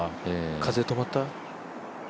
風、止まった？